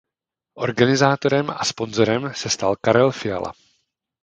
Organizátorem a sponzorem se stal Karel Fiala.